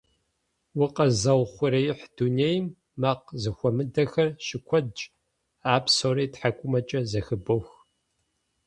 Укъэзыухъуреихь дунейм макъ зэхуэмыдэхэр щыкуэдщ. А псори тхьэкӀумэкӀэ зэхыбох.